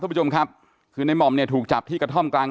ผู้ชมครับคือในหม่อมเนี่ยถูกจับที่กระท่อมกลาง